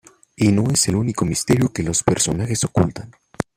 Y no es el único misterio que los personajes ocultan.